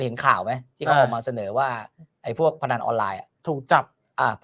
เห็นข่าวไหมที่เขาออกมาเสนอว่าไอ้พวกพนันออนไลน์อ่ะถูกจับอ่า